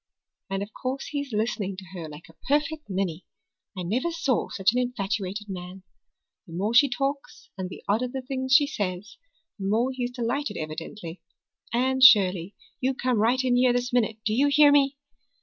And of course he's listening to her like a perfect ninny. I never saw such an infatuated man. The more she talks and the odder the things she says, the more he's delighted evidently. Anne Shirley, you come right in here this minute, do you hear me!"